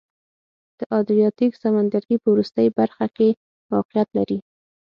د ادریاتیک سمندرګي په وروستۍ برخه کې موقعیت لري.